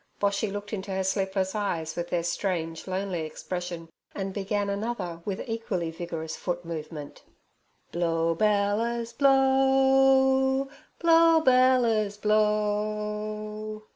Boshy looked into her sleepless eyes, with their strange, lonely expression, and began another with equally vigorous foot movement: "'Blow, bellers, blow; blow, bellers, below.